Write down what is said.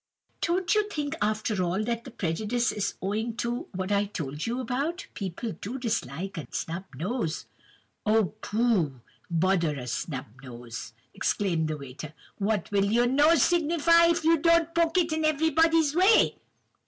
"'Don't you think—after all—that the prejudice—is owing to—what I told you about:—people do so dislike a snub nose?' "'Oh, pooh! bother a snub nose,' exclaimed the waiter; 'what will your nose signify, if you don't poke it in everybody's way?